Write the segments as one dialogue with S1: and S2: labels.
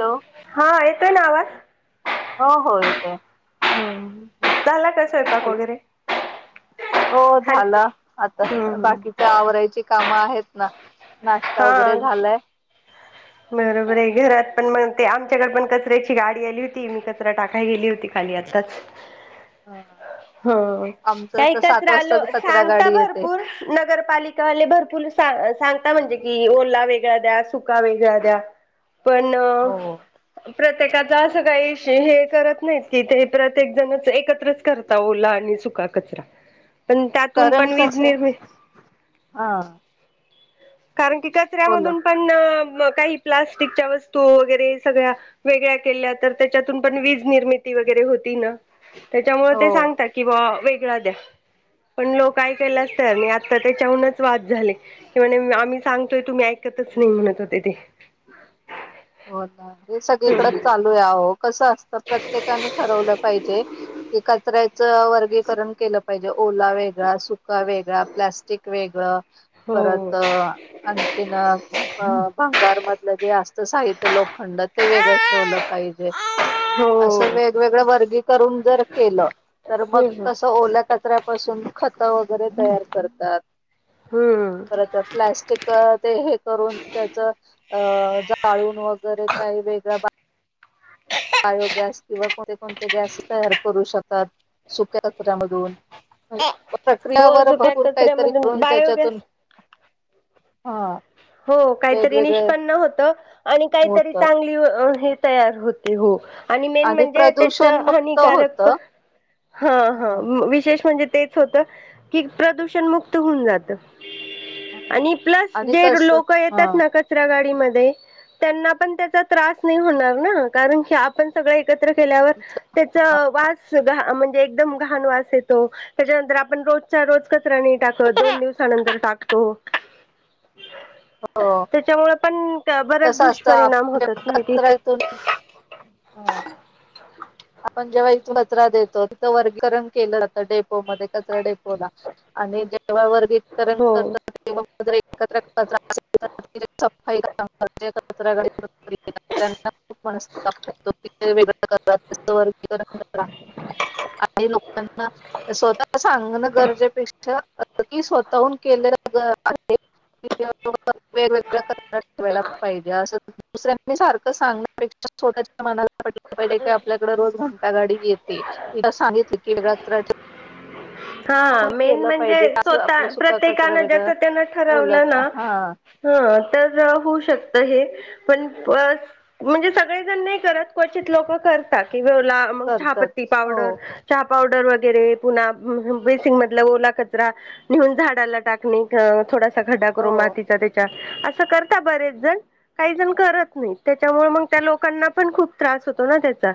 S1: Hello
S2: हा येतोय ना आवाज
S1: ह
S2: हम्म झाला स्वयंपाक
S1: झाले
S2: वगैरे
S1: हो
S2: हॅल
S1: झालं आता
S2: हम्म हम्म
S1: बाकीच्या आवरायची कामं आहेत. ना नाश्ता
S2: हा
S1: वगैरे झालाय.
S2: बरोबर आहे घरात पण मग ते आमच्याकड पण कचऱ्याची गाडी आली होती मी कचरा टाकाय गेली होती खाली आताच.
S1: आमचं तर
S2: हच
S1: सात वाजता
S2: रालो
S1: कचरा
S2: सांगता
S1: गाडी येते
S2: भरपूर नगरपालिका भरपूर सांडता ता म्हणजे कि ओला वेगळा द्या सुका वेगळा [inaudible] पण
S1: हो
S2: प्रत्येकात असं काही हे करत नाहीत कि ते प्रत्येक जण एकत्रच करता ओला आणि सुका कचरा पण त्यातून
S1: कारण
S2: पण वीज
S1: कसं
S2: निर्मिती
S1: हा
S2: कारण की
S1: बोला
S2: कचऱ्यामधून प मग काही प्लास्टिकच्या वस्तू वगैरे सगळ्या वेगळ्या केल्या तर त्याच्यातून पण वीज निर्मिती वगैरे होती ना. त्याच्यामुळे ते
S1: हो
S2: सांगतात कि मग वेग पण लोक काय के असत म आता त्याच्याहूनच वाद झाली क म्ह सांगतोय तुम्ही ऐकतच नाही म्हणत होते ते.
S1: हो का. हे सगळीकडच चालू आहे हो कसं असत. प्रत्येकाने ठरवलं पाहिजे की कचऱ्याच वर्गीकरण केलं पाहिजे ओला वेगळा सुका वेगळा, प्लास्टिक वेग ह.
S2: हो
S1: परत आणखीन अ भंगार मधलं जे असत. साहित्य लोखंड ते वेगळे ठेवलं पाहिजे
S2: हो
S1: असं वेगवेगळं वर्गी करून जर केलं तर मग
S2: हम्म
S1: कसं ओल्या कचऱ्यापासून त वगैरे तयार करतात
S2: हम्म
S1: परत प्लॅस्टिक ते हे करून त्याच अ जा. चाळून व तरी काही वेगळ बायोगॅस किंवा कोणते-कोणते गॅस तयार करू शकतात सुक्या कचऱ्यामधून
S2: हो
S1: प्रक्रियावर
S2: सुक्या
S1: भरपूर काहीतरी
S2: कचऱ्यामधून
S1: करून त्याच्यातून
S2: बायोगॅस
S1: हा.
S2: हो काहीतरी
S1: वेगवेगळे
S2: निष्पन्न होत आणि काहीतरी
S1: होत
S2: चांगली व हे तयार होते हो. आणि मेन म्हणजे त्याच
S1: प्रदूषण मुक्त होत
S2: हानिकारक हा हा
S1: ह
S2: विशेष म्हणजे तेच होत की प्रदूषण मुक्त होऊन जातं. [inaudible] आणि प्लस
S1: आणि कस
S2: लोक
S1: ह
S2: येतात ना कचरा गाडी मध्ये त्यांना पण त्याचा त्रास नाही होणार ना कारण की आपण सगळे एकत्र केल्यावर त्याचा वास सगळा म्हणजे एकदम घाणवास येतो त्याच्यानंतर आपण रोजच्या रोज कचरा नाय टाकत दोन दिवसानंतर टाकतो.
S1: हो
S2: त्याच्यामुळे पण बऱ्याच
S1: कसं असतं
S2: दुष्परिणाम
S1: आपण
S2: होतात नाही की
S1: हा.
S2: [inaudible]
S1: आपण जेव्हा इथं कचरा देतो तिथं वर्गीकरण केलं जातं डेपोमध्ये कचरा डेपोला आणि जेव्हा वर [unintelligible]
S2: हो
S1: [unintelligible] जे कचरा गाडीतुन फिरतात त्यांना खुप मनस्ताप होतो ते [unintelligible] [inaudible] [inaudible] [inaudible] काही लोकांना स्वतः सांगणं गरजेपेक्षा की स्वतःहून केलेलं आहे वेगवेगळ्या कचरा ठेवायला पाहिजे असंं दुसऱ्यांनी सारखं सांगण्यापेक्षा स्वतःच्या मनाला पटलं पाहिजे की आप आपल्याकडे रोज घंटा गाडी येते तिला सांगितली की वेगळा कचरा
S2: हा
S1: कोणी
S2: मेन
S1: केलं
S2: म्हणजे
S1: पाहिजे असं
S2: स्वतः
S1: आपला सुका कचरा
S2: प्रत्येकानं
S1: वेगळा
S2: ज्याचं त्यानं
S1: ओलं
S2: ठरवलं ना
S1: हा
S2: हंं तर होऊ शकतं हे. पण अ म्हणजे, सगळेजण नाही करत, क्वचित लोकं करतात. मग
S1: करतात
S2: चहापत्ति पावडर,
S1: हो
S2: चहा पावडर. गेल्यावेळी पुन्हा. बेसिन मधला ओला कचरा, नेहून झाडाला टाकणे थोडं खड्डा
S1: हो
S2: करू मातीचा त्याच्यात. असं करता बरेच जण, काही जण करत नाही, त्याच्यामुळे मग त्या लोकांना पण खूप त्रास होतो ना त्याचा.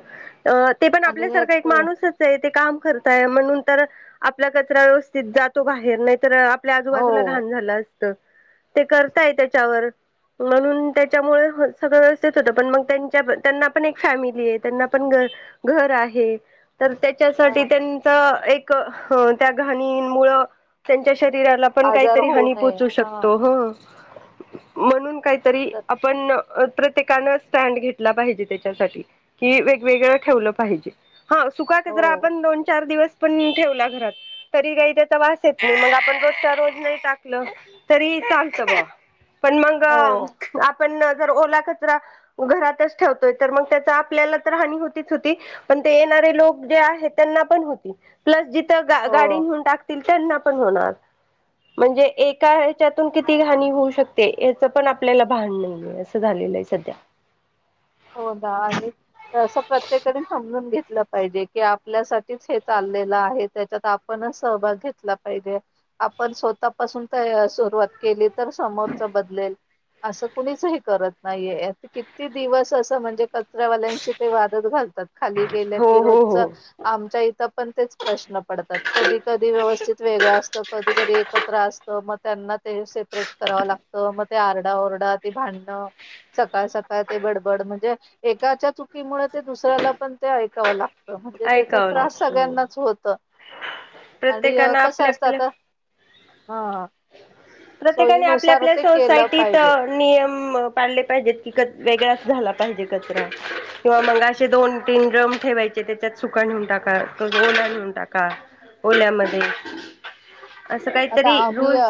S2: अ ते पण
S1: आणि
S2: आपल्यासारख
S1: यात
S2: एक माणूसच आहे. काम करताय म्हणून. तर आपला कचरा व्यवस्थित जातो बाहेर नाही तर आपल्या
S1: हो
S2: आजूबाजूला घाण झाल अस ते करताय त्याच्यावर म्हणून त्याच्यामुळे सगळं व्यवस्थित होतं पण मग त्यांना पण एक फॅमिली आहे, त्यांना पण घ घर आहे. तर
S1: हा
S2: त्याच्यासाठी त्यांचा एक. हं त्या घाणींमूळ त्यांच्या शरीराला पण
S1: आजार
S2: काहीतरी
S1: होऊ
S2: हानी
S1: नये
S2: पोहोचू
S1: हा
S2: शकतो, हं. म्हणून काही तरी
S1: तर
S2: आपण प्रत्येकानं स्टँड घेतला पाहिजे, त्याच्यासाठी कि वेगवेगळं ठेवलं पाहिजे. हा सुका
S1: हो
S2: कचरा आपण दोन चार दिवस पण ठेवला घरात तरी काही त्याचा वास येत नाही मग आपण रोजच्या रोज नाही टाकलं तरी चालत बुवा. पण मग
S1: हो
S2: आप पण जर ओला कचरा घरातच ठेवतोय तर मग त्याचा आपल्याला तर हानी होतीच होती पण ते येणारे लोक जे आहेत त्यांना पण होती. प्लस जि थं गा
S1: हो
S2: गाडी नेऊन टाकतील त्यांना पण होणार म्हणजे एका ह्याच्यातून किती हानी होऊ शकते? याच पण आपल्याला भान नाही आहे असं झालेलं आहे सध्या.
S1: हो ना आणि असं प्रत्येकाने समजून घेतलं पाहिजे की आपल्यासाठीच हे चाललेलं आहे, त्याच्यात आपणच सहभाग घेतला पाहिजे आपण स्वतःपासून तय सुरुवात केली तर समोरचा बदलेल असं कुणीच हे करत नाहीये असं किती दिवस तसं म्हणजे कचऱ्यावाल्यांशी ते वादच घाल तात खाली गेल्या
S2: हो
S1: की
S2: हो
S1: रोजचं
S2: हो
S1: आमच्या इथं पण तेच प्रश्न पडतात. कधी कधी व्यवस्थित वेगळं असतं कधी कधी एकत्र असतं, मग त्यांना ते सेपरेट करावं लागतं मग ते आरडाओरडा ते भांडणं सकाळ सकाळ ते बड बड म्हणजे एकाच्या चुकीमुळे ते दुसऱ्याला पण ते ऐकावं लाग
S2: ऐकाव
S1: आणि
S2: प्रत्येकान
S1: कसं
S2: आपल्या
S1: असतं
S2: आपल्या
S1: आता हा
S2: प्रत्येकाने आपल्या
S1: सोयीनुसार
S2: आपल्या
S1: ते केलं
S2: सोसायटीत
S1: पाहिजे.
S2: नियम पाडले पाहिजेत कि कच वेगळा झाला पाहिजे कचरा किंवा मग असे दोन तीन ड्रम ठेवायचे. त्याच्यात सुका नेऊन टाका मग ओला नेऊ. टाका ओल्या मध् [unintelligible]
S1: आता आम्ही अ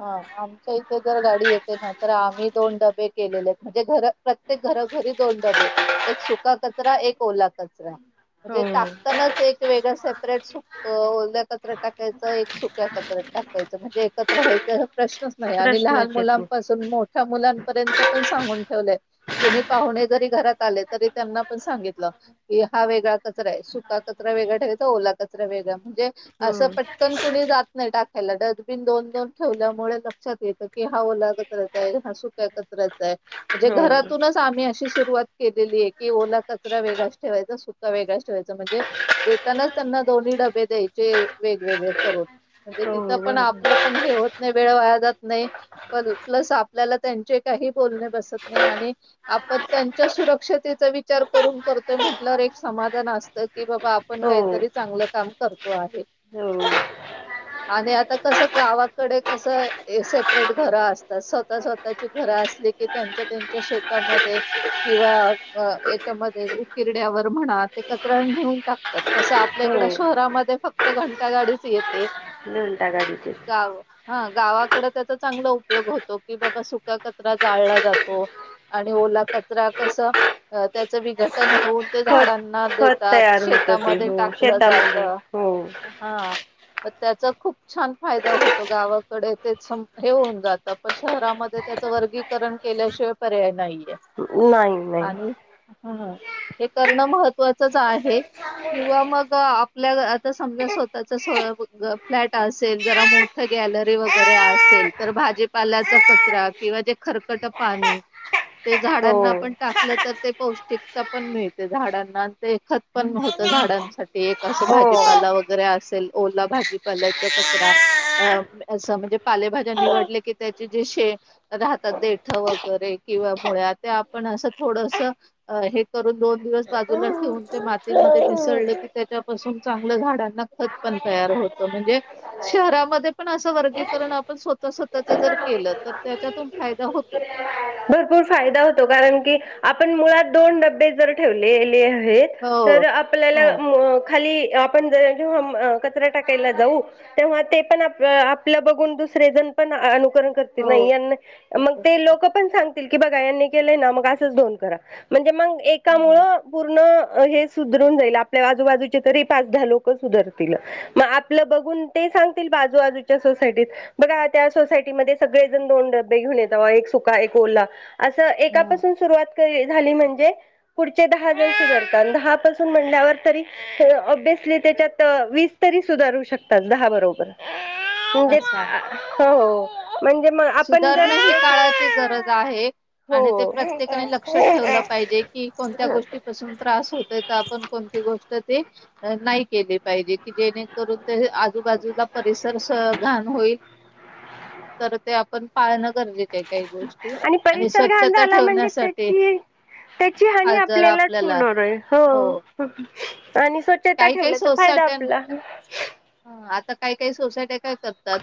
S1: हा आमच्या इथे जर गाडी येते ना तर आम्ही दोन डब डबे केलेले आहेत म्हणजे घर प्रत्येक घरोघरी दोन डबे एक सुका कचरा एक ओला कचरा. म्हणजे
S2: हो.
S1: टाकतानाच एक वेगळं सेपरेट सुक ओल्या कचरा टाकायचं एक सुक्या कचऱ्यात टाकायचं म्हणजे एकत्र व्हायच प्रश्नच नाही आणि लहान
S2: प्रश्नच येत नाही
S1: मुलांपासून मोठ्या मुलांपर्यंत पण सांगून ठेवलय कुणी पाहुणे जर ते घरात आले तरी त्यांना पण सांगितल की हा वेगळा कचरा आहे सुका कचरा वेगळा ठेवायचा ओला कचरा वेगळा म्हणजे असं पटकन नाही टाकायला डस्टबिन दोन दोन ठेवल्यामुळे लक्षात येतं की हा ओला कचराचा आहे हा सुक्या कचऱ्याचा आहे. म्हणजे
S2: हो हो
S1: घरातूनच आम्ही अशी सुरुवात केलेली आहे की ओला कचरा वेगळाच ठेवायचा सुका वेगळा ठेवायचा म्हणजे देतानाच त्यांना दोन्ही डबे द्यायचे वेगवेगळे. म्हणजे तिथं
S2: हो
S1: पण आपलं
S2: बरोबर
S1: पण हे होत नाही वेळ वाया जात नाही प्लस आपल्याला त्यांचे काही बोलणे बसत नाही आणि आपण त्यांच्या सुरक्षतेचा विचार करून करतोय म्हटलं एक समाधान असत कि बाबा आपण
S2: हो.
S1: काहीतरी चांगलं काम करतो आहे.
S2: हो
S1: आणि आता कस गावाकडे कस सेपरेट घर असतात स्वतः स्वतःची घरं असली कि त्यांच्या त्यांच्या शेतामध्ये किंवा अ याच्यामध्ये उकिरड्यावर म्हणा ते कचरा नेऊन टाकतात तसं आपल्या
S2: हो
S1: इकड शहरामध्ये फक्त घंटा गाडीच येत. ते.
S2: घंटागाडीची.
S1: हं गावाकडच तर चांगला उपयोग होतो की बाबा सुका कचरा जाळला जातो आणि ओला कचरा कस त्याचं विघटन होऊन ते
S2: खत
S1: झाडान.
S2: खत
S1: देतात
S2: तयार होतं ते
S1: शेतामध्ये
S2: हो
S1: टाकलं जात
S2: शेतामध्ये हो
S1: हं. मग त्याचा खूप छान फायदा होतो गावाकडे तेच हे होऊन जातं पण शहरामध्ये त्याचं वर्गीकरण केल्याशिवाय पर्याय नाहीये.
S2: नाही नही.
S1: आणि ह हे करणं महत्त्वाचच आहे किंवा मग आपल्या आता समजा स्वतःच सोयाबीन. फ्लॅट असेल जरा मोठ गॅलरी वगैरे असेल तर भाजीपाल्याचा कचरा किंवा जे खरकट पाणी ते झाडांना
S2: हो
S1: आपन टाकलं तर ते पौष्टिकता पण मिळते झाडांना ते खत पण व्हतं झाडांसाठी एक असं भाजीपाला वगैरे असेल ओला भाजीपाला. पाल्याचा कचरा अ अस म्हणजे पालेभाज्या
S2: हो
S1: निवडले कि त्याचे जे शे राहतात देठ वगैरे किंवा मुळ्या ते आपण असं थोडस हे करून दोन दिवस बाजूला ठेवून ते मातीमध्ये मिसळलं कि त्याच्यापासून चांगलं झाडांना खत पण तयार होत. म्हणजे शहरामध्ये पण असं वर्गीकरण आपण स्वतः स्वतःच जर केलं तर त्याच्यातून फायदा होतो.
S2: भरपूर फायदा होतो कारण की आपण मुळात. दोन डबे जर ठेवलेल. हेच
S1: हो,
S2: तर
S1: हो,
S2: आपल्याला म खाली आपण जे जेव्हा म कचरा टाकायला जाऊ तेव्हा ते पण अ आपलं बघून दुसरे जण पण अ ग ते नाही
S1: हो.
S2: यांना मग ते लोक पण सांग. की बघा यांनी केलेय मग असच दोन करा म्हणजे मग. एकामुळ
S1: हं,
S2: पूर्ण हे सुधरून जाईल आपल्या आजूबाजूचे तरी पाच दहा लोक सुधरतील मग आपलं बघून ते सांगतील बाजूबाजूच्या सोसायटीत बघा त्या सोसायटीमध्ये सगळेजण दोन डबे घेऊन येत एक सुका एक ओला असं
S1: हं.
S2: एकापासून सुरुवात. तर हे झाली म्हणजे पुढचे दहा जन सुधारतात दहा पासून म्हणल्यावर तरी ऑब्सली त्याच्यात वीस तरी सुधारू शकतात दहा बरोबर म्हजेच अअ हो हो. [unintelligible]
S1: सुधारण ही काळाची गरज आहे आणि ते प्रत्येकाने लक्षात ठेवलं
S2: हो
S1: पाहिजे की कोणत्या गोष्टीपासून त्रास होतय आपण कोणती गोष्ट जे अ नाही केले पाहिजे जेणेकरून ते आजूबाजूला परिसरस घाण होईल तर ते आप पालनक
S2: आणि परिसर
S1: स्वच्छता
S2: घाला म्हणजे
S1: ठेवण्यासाठी
S2: त्याची त्याची हानी
S1: आज जर
S2: आपल्यालाच
S1: आपल्याला
S2: होणार आहे हो आणि स्वच्छता
S1: काही काही
S2: ठेवल्याचा फायदा
S1: सोसायट्यां
S2: आपला
S1: सकाऐट हे सोसायटययाका जपतात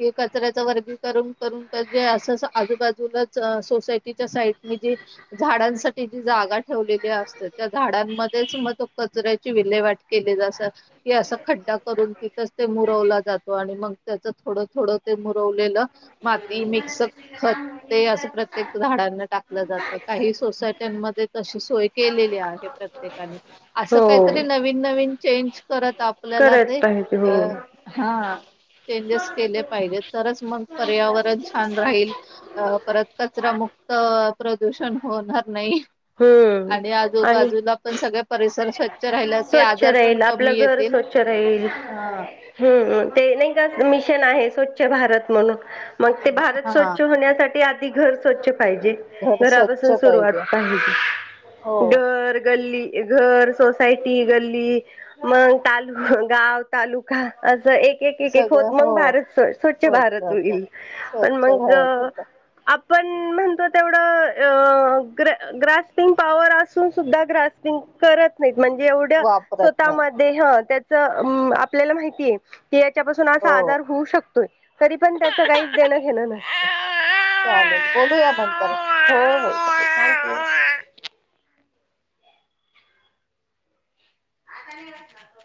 S1: एकच कचऱ्या वर्गी करून करून असच आजूबाजूलाच सोसायटीच्या साईड जी झाडांसाठी जी जागा ठेवलेली असते त्या झाडांमध्येच मग तो कचऱ्याची विल्हे वाट केले ज अस के असं खड्डा करून तिथंच ते मुरवला जातो आणि मग त्याच थोडं थोडं ते मुरवलेलं माती मिक्स खत ते असं प्रत्येक झाडांना टाकलं जात काही सोसायट्यांमध्ये तशी सोय केलेली आहे प्रत्येकाने आस
S2: हो
S1: काहीतरी नवीन नवीन चेंज करत आपल्याला
S2: करत
S1: जे
S2: पाहिजे
S1: अ
S2: हो
S1: हा चेजेस केले पाहिजे तर मग पर्यावरण चेंज करत आपल्याला छान राहील परत कचरा मुक्त प्रदूषण होणार नाही
S2: हम्म
S1: आणि
S2: आणि
S1: आजूबाजूला पण सगळे परिसर स्वच्छ राहिल्या
S2: स्वच्छ राहील आपलं घर स्वच्छ राहील
S1: हा
S2: हम् ते नाही का मिशन आहे स्वच्छ भारत म्हणून मग ते भारत
S1: हा
S2: स्वच्छ होण्यासाठी घर सोच पाहिजे
S1: घर स्वच्छ
S2: घरापासून
S1: पाहिजे
S2: सुरवात अ
S1: हो.
S2: घर गल्ली घर सोसायटी गल्ली मग ताल गाव तालुका असं एक होत
S1: सगळं हो
S2: मग भारत स्वच्
S1: होत
S2: भारत
S1: जात.
S2: होईल पण
S1: स्वच्छ
S2: मग
S1: घरात होता
S2: पण म्हणतो तेवढं अ ग ग्रस्पिंग पॉवर असून सुद्धा ग्रस्पिंग करत नाही म्हणजे एवढ्या
S1: वापरत नाही
S2: स्वतःमध्ये ह त्या आपल्याला माहितीय की याच्यापासून
S1: हो
S2: असा आजार होऊ शकतो तरी पण त्याच काहीच देणं घेण नसत.
S1: चालेल बोलूया नंतर
S2: हो [unintelligible] [unintelligible]